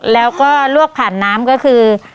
แล้วก็ลวกผ่านน้ำก็คือ